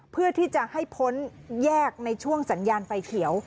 เพื่อที่จะให้พ้นแยกในช่วงสัญญาณไฟเขียว